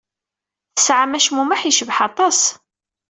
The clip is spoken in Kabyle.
Tesɛam acmumeḥ yecbeḥ aṭas.